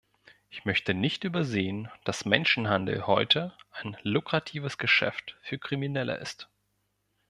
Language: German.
Ich möchte nicht übersehen, dass Menschenhandel heute ein lukratives Geschäft für Kriminelle ist.